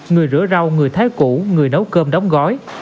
người rửa rau người thái cũ người nấu cơm đóng gói